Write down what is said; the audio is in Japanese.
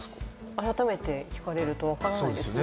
改めて聞かれると分からないですね